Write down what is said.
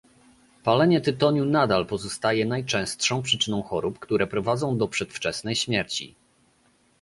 Palenie tytoniu nadal pozostaje najczęstszą przyczyną chorób, które prowadzą do przedwczesnej śmierci